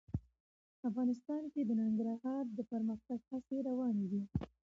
افغانستان کې د ننګرهار د پرمختګ هڅې روانې دي.